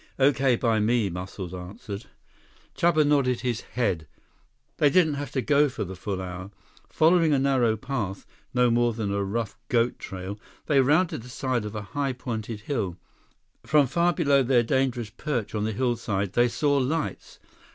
"Okay by me," Muscles answered. Chuba nodded his head. They didn't have to go for the full hour. Following a narrow path, no more than a rough goat trail, they rounded the side of a high pointed hill. From far below their dangerous perch on the hillside, they saw lights.